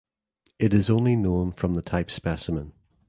It is only known from the type specimen.